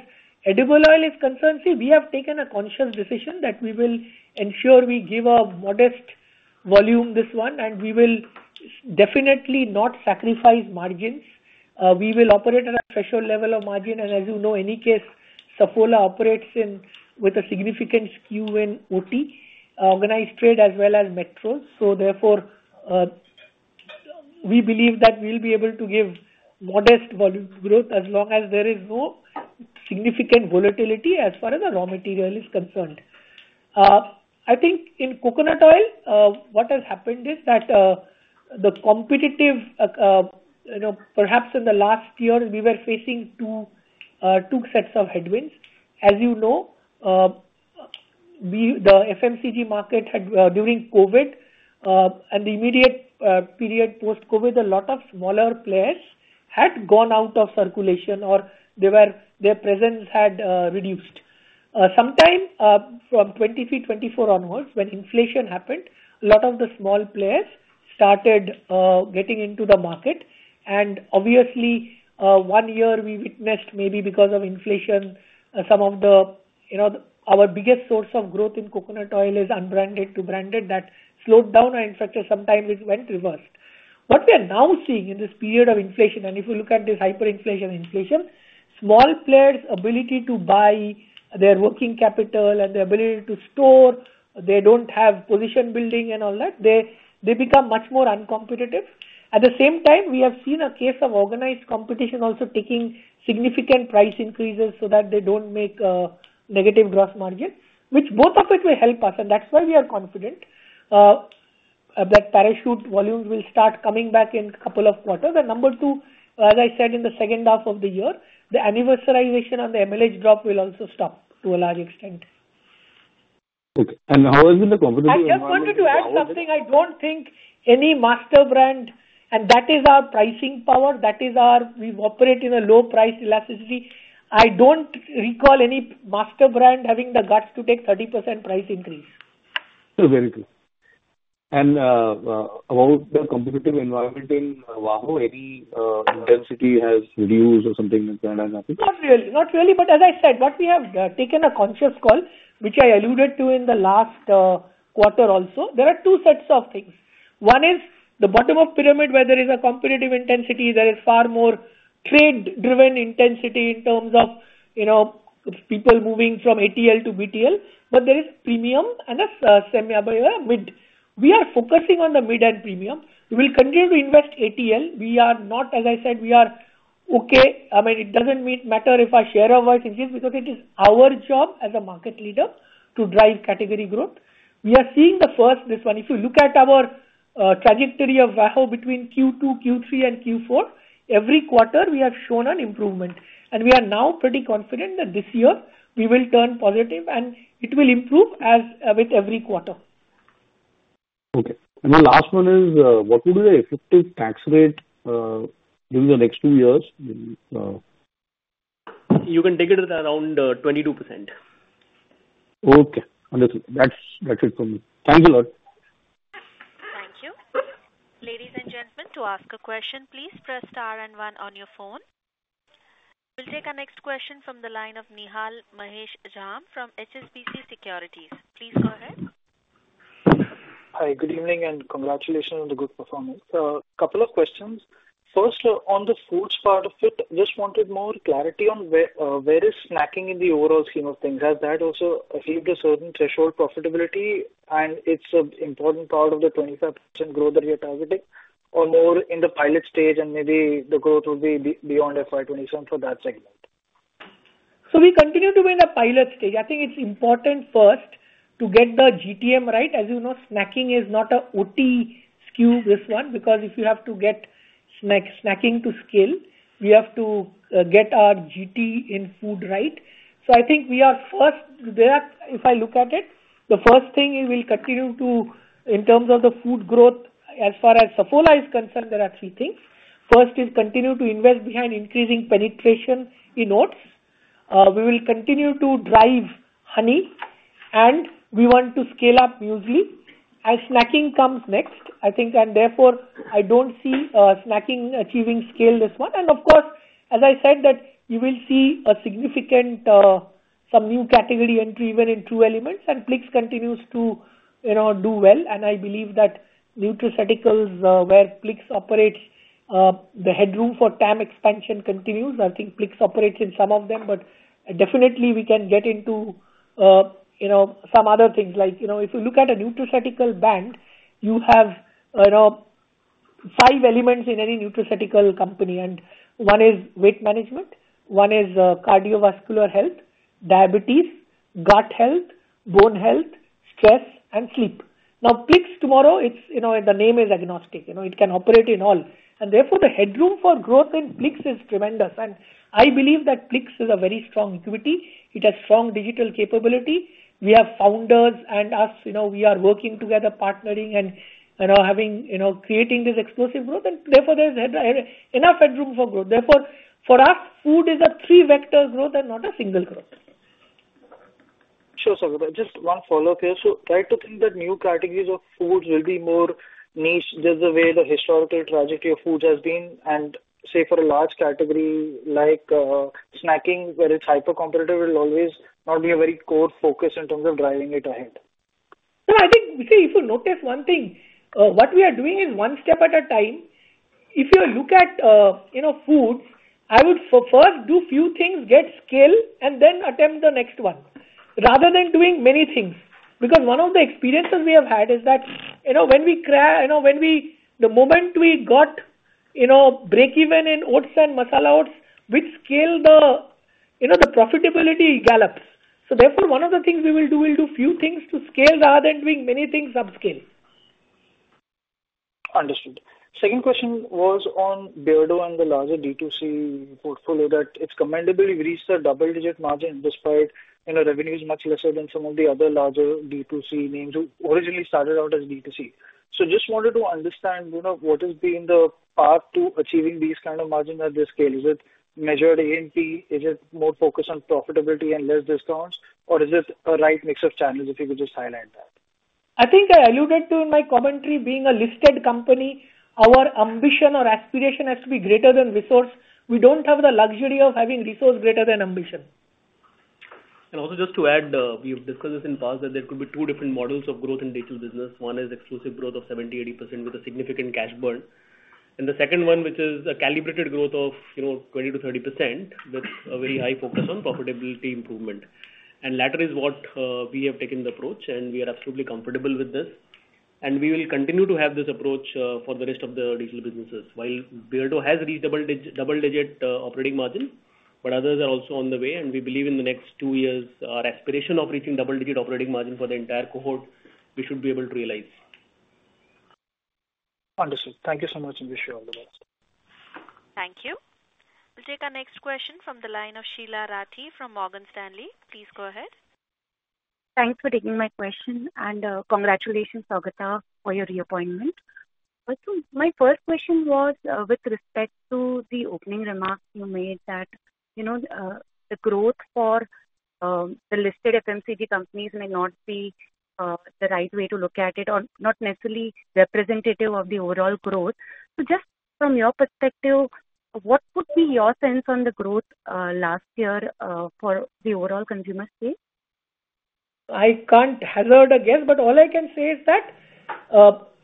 Edible Oil is concerned, we have taken a conscious decision that we will ensure we give a modest volume this one, and we will definitely not sacrifice margins. We will operate at a threshold level of margin. As you know, in any case, Saugata operates with a significant skew in OT, organized trade, as well as metros. Therefore, we believe that we'll be able to give modest volume growth as long as there is no significant volatility as far as the raw material is concerned. I think in coconut oil, what has happened is that the competitive, perhaps in the last year, we were facing two sets of headwinds. As you know, the FMCG market had during COVID and the immediate period post-COVID, a lot of smaller players had gone out of circulation or their presence had reduced. Sometime from 2024 onwards, when inflation happened, a lot of the small players started getting into the market. Obviously, one year we witnessed maybe because of inflation, some of our biggest source of growth in coconut oil is unbranded to branded that slowed down our infrastructure. Sometime it went reversed. What we are now seeing in this period of inflation, and if you look at this hyperinflation inflation, small players' ability to buy their working capital and their ability to store, they do not have position building and all that, they become much more uncompetitive. At the same time, we have seen a case of organized competition also taking significant price increases so that they do not make negative gross margin, which both of it will help us. That is why we are confident that Parachute volumes will start coming back in a couple of quarters. Number two, as I said, in the second half of the year, the anniversalization on the MLH drop will also stop to a large extent. Okay. How has been the competitive environment? I just wanted to add something. I do not think any master brand, and that is our pricing power. That is our we operate in a low price elasticity. I do not recall any master brand having the guts to take 30% price increase. Very good. About the competitive environment in WAHO, any intensity has reduced or something like that? Not really. Not really. As I said, what we have taken a conscious call, which I alluded to in the last quarter also, there are two sets of things. One is the bottom of pyramid where there is a competitive intensity. There is far more trade-driven intensity in terms of people moving from ATL to BTL. There is premium and a semi-mid. We are focusing on the mid and premium. We will continue to invest ATL. We are not, as I said, we are okay. I mean, it does not matter if our share of our increase because it is our job as a market leader to drive category growth. We are seeing the first this one. If you look at our trajectory of WAHO between Q2, Q3, and Q4, every quarter we have shown an improvement. We are now pretty confident that this year we will turn positive and it will improve with every quarter. Okay. The last one is, what would be the effective tax rate during the next two years? You can take it around 22%. Okay. Understood. That's it from me. Thank you a lot. Thank you. Ladies and gentlemen, to ask a question, please press star and one on your phone. We'll take our next question from the line of Nihal Mahesh Jham from HSBC Securities. Please go ahead. Hi. Good evening and congratulations on the good performance. A couple of questions. First, on the foods part of it, I just wanted more clarity on where is snacking in the overall scheme of things. Has that also achieved a certain threshold profitability? Is it an important part of the 25% growth that you're targeting or more in the pilot stage and maybe the growth will be beyond FY2027 for that segment? We continue to be in a pilot stage. I think it's important first to get the GTM right. As you know, snacking is not an OT skew, this one, because if you have to get snacking to scale, we have to get our GT in food right. I think we are first, if I look at it, the first thing we will continue to, in terms of the food growth, as far as Saugata is concerned, there are three things. First is continue to invest behind increasing penetration in oats. We will continue to drive honey, and we want to scale up hugely. As snacking comes next, I think, and therefore, I don't see snacking achieving scale this one. Of course, as I said, you will see a significant some new category entry even in True Elements, and PLIX continues to do well. I believe that nutraceuticals where PLIX operates, the headroom for TAM expansion continues. I think PLIX operates in some of them, but definitely we can get into some other things. Like if you look at a nutraceutical band, you have five elements in any nutraceutical company, and one is weight management, one is cardiovascular health, diabetes, gut health, bone health, stress, and sleep. Now, PLIX tomorrow, the name is agnostic. It can operate in all. Therefore, the headroom for growth in PLIX is tremendous. I believe that PLIX is a very strong equity. It has strong digital capability. We have founders and us, we are working together, partnering and creating this explosive growth. Therefore, there is enough headroom for growth. For us, food is a three-vector growth and not a single growth. Sure, Saugata. Just one follow-up here. I am trying to think that new categories of foods will be more niche just the way the historical trajectory of foods has been. And say for a large category like snacking, where it is hypercompetitive, it will always not be a very core focus in terms of driving it ahead. I think, see, if you notice one thing, what we are doing is one step at a time. If you look at foods, I would first do a few things, get scale, and then attempt the next one rather than doing many things. Because one of the experiences we have had is that when we crash, when we the moment we got breakeven in oats and masala oats, which scale the profitability gallops. Therefore, one of the things we will do, we'll do a few things to scale rather than doing many things subscale. Understood. Second question was on Beardo and the larger D2C portfolio that it's commendably reached a double-digit margin despite revenues much lesser than some of the other larger D2C names who originally started out as D2C. Just wanted to understand what has been the path to achieving these kinds of margins at this scale? Is it measured A&P? Is it more focused on profitability and less discounts? Or is it a right mix of channels if you could just highlight that? I think I alluded to in my commentary being a listed company, our ambition or aspiration has to be greater than resource. We don't have the luxury of having resource greater than ambition. Also, just to add, we've discussed this in the past that there could be two different models of growth in digital business. One is exclusive growth of 70-80% with a significant cash burn. The second one, which is a calibrated growth of 20-30% with a very high focus on profitability improvement. The latter is what we have taken the approach, and we are absolutely comfortable with this. We will continue to have this approach for the rest of the digital businesses. While Beardo has reached double-digit operating margin, others are also on the way, and we believe in the next two years, our aspiration of reaching double-digit operating margin for the entire cohort, we should be able to realize. Understood. Thank you so much and wish you all the best. Thank you. We'll take our next question from the line of Sheela Rathi from Morgan Stanley. Please go ahead. Thanks for taking my question. Congratulations, Saugata, for your reappointment. My first question was with respect to the opening remarks you made that the growth for the listed FMCG companies may not be the right way to look at it or not necessarily representative of the overall growth. Just from your perspective, what would be your sense on the growth last year for the overall consumer space? I can't hazard a guess, but all I can say is that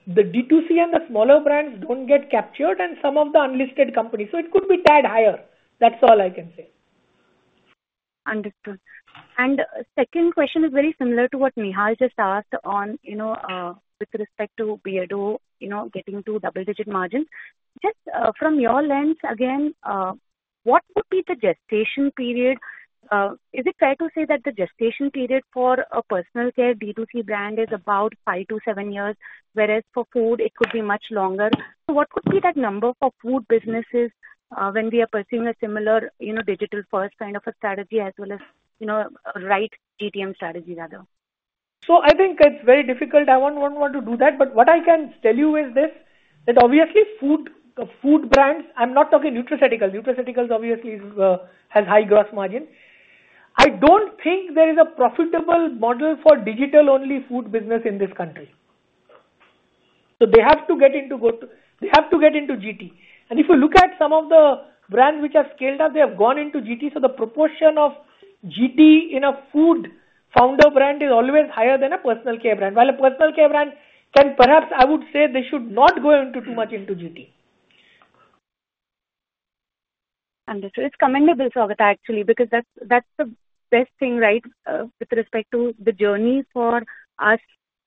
the D2C and the smaller brands don't get captured and some of the unlisted companies. It could be tied higher. That's all I can say. Understood. Second question is very similar to what Nihal just asked with respect to Beardo getting to double-digit margins. Just from your lens, again, what would be the gestation period? Is it fair to say that the gestation period for a personal care D2C brand is about five to seven years, whereas for food, it could be much longer? What would be that number for food businesses when they are pursuing a similar digital-first kind of a strategy as well as a right GTM strategy rather? I think it's very difficult. I won't want to do that. What I can tell you is this: obviously, food brands, I'm not talking nutraceuticals. Nutraceuticals obviously has high gross margin. I don't think there is a profitable model for digital-only food business in this country. They have to get into they have to get into GT. If you look at some of the brands which have scaled up, they have gone into GT. The proportion of GT in a food founder brand is always higher than a personal care brand. While a personal care brand can perhaps, I would say they should not go too much into GT. Understood. It is commendable, Saugata, actually, because that is the best thing, right, with respect to the journey for us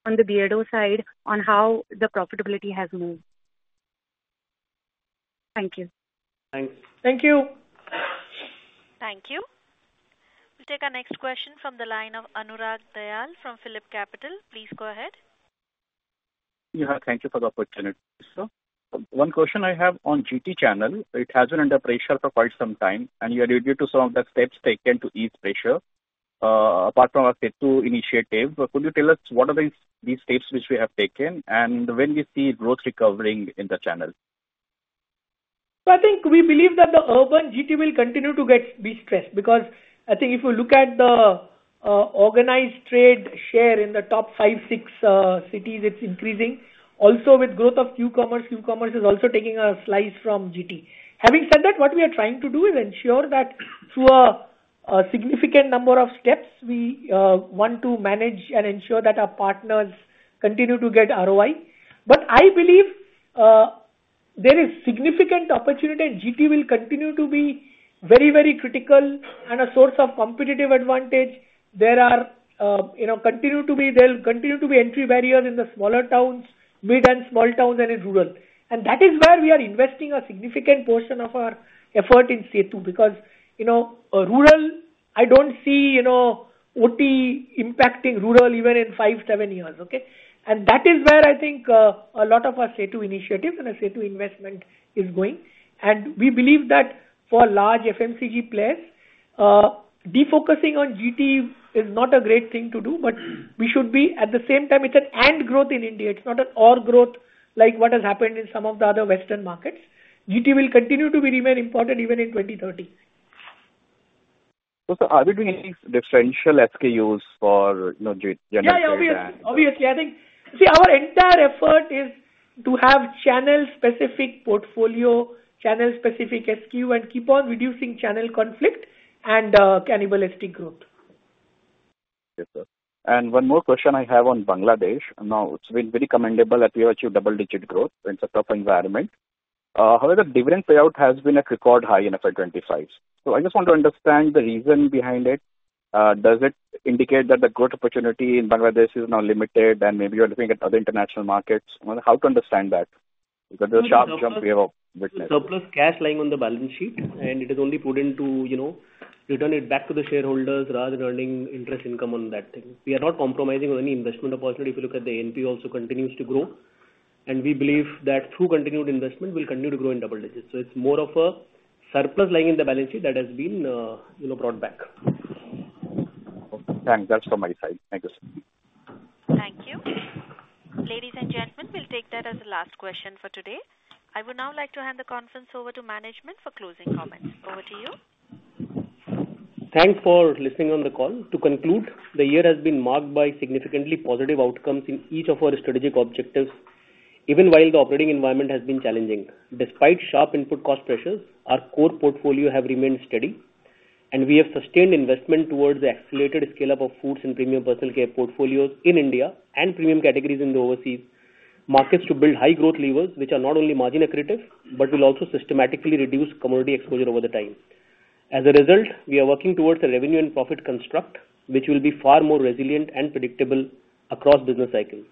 on the Beardo side on how the profitability has moved. Thank you. Thanks. Thank you. Thank you. We'll take our next question from the line of Anurag Dayal from Philip Capital. Please go ahead. Yeah. Thank you for the opportunity, sir. One question I have on GT channel. It has been under pressure for quite some time, and you alluded to some of the steps taken to ease pressure. Apart from our Setu initiative, could you tell us what are these steps which we have taken and when we see growth recovering in the channel? I think we believe that the urban GT will continue to be stressed because I think if you look at the organized trade share in the top five, six cities, it's increasing. Also, with growth of QCommerce, QCommerce is also taking a slice from GT. Having said that, what we are trying to do is ensure that through a significant number of steps, we want to manage and ensure that our partners continue to get ROI. I believe there is significant opportunity, and GT will continue to be very, very critical and a source of competitive advantage. There continue to be, there'll continue to be entry barriers in the smaller towns, mid and small towns, and in rural. That is where we are investing a significant portion of our effort in Setu because rural, I don't see OT impacting rural even in five, seven years. Okay? That is where I think a lot of our Sethu initiatives and our Sethu investment is going. We believe that for large FMCG players, defocusing on GT is not a great thing to do, but we should be at the same time, it is an and growth in India. It is not an or growth like what has happened in some of the other Western markets. GT will continue to remain important even in 2030. Sir, are we doing any differential SKUs for generation? Yeah, yeah, obviously. I think, see, our entire effort is to have channel-specific portfolio, channel-specific SKU, and keep on reducing channel conflict and cannibalistic growth. Yes, sir. One more question I have on Bangladesh. It has been very commendable that you have achieved double-digit growth in such a tough environment. However, dividend payout has been at record high in FY25. I just want to understand the reason behind it. Does it indicate that the growth opportunity in Bangladesh is now limited and maybe you are looking at other international markets? How to understand that? There is a sharp jump we have witnessed. Surplus cash lying on the balance sheet, and it is only put in to return it back to the shareholders rather than earning interest income on that thing. We are not compromising on any investment opportunity. If you look at the A&P, also continues to grow. We believe that through continued investment, we will continue to grow in double digits. It is more of a surplus lying in the balance sheet that has been brought back. Thanks. That's from my side. Thank you, sir. Thank you. Ladies and gentlemen, we'll take that as the last question for today. I would now like to hand the conference over to management for closing comments. Over to you. Thanks for listening on the call. To conclude, the year has been marked by significantly positive outcomes in each of our strategic objectives, even while the operating environment has been challenging. Despite sharp input cost pressures, our core portfolio has remained steady, and we have sustained investment towards the accelerated scale-up of foods and premium personal care portfolios in India and premium categories in the overseas markets to build high-growth levers, which are not only margin-accretive, but will also systematically reduce commodity exposure over time. As a result, we are working towards a revenue and profit construct, which will be far more resilient and predictable across business cycles.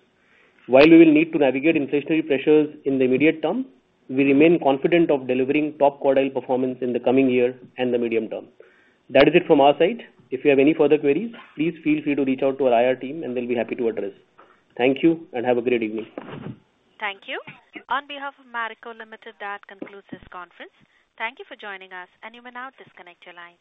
While we will need to navigate inflationary pressures in the immediate term, we remain confident of delivering top-quartile performance in the coming year and the medium term. That is it from our side. If you have any further queries, please feel free to reach out to our IR team, and they'll be happy to address. Thank you and have a great evening. Thank you. On behalf of Marico Limited, that concludes this conference. Thank you for joining us, and you may now disconnect your lines.